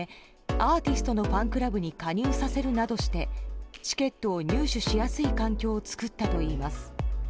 アーティストのファンクラブに加入させるなどしてチケットを入手しやすい環境を作ったといいます。